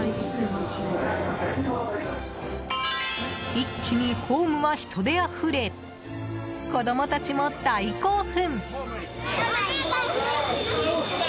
一気にホームは人であふれ子供たちも大興奮。